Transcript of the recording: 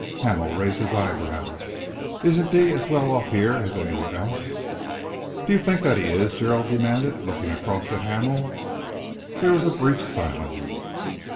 Hamel raised his eyebrows. "Isn't he as well off here as anywhere else?" "Do you think that he is?" Gerald demanded, looking across at Hamel. There was a brief silence.